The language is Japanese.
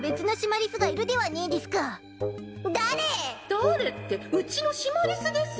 誰ってうちのシマリスですよ